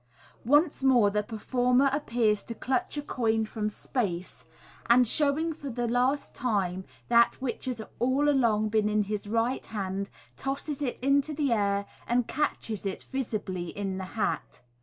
Once more the performer appears to clutch • coin from space, and showing for the last time that which has all along been in his right hand, tosses it into the air, and catches it visibly in the hat.